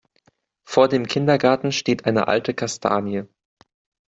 Vor dem Kindergarten steht eine alte Kastanie.